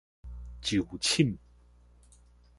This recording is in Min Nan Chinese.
晝寢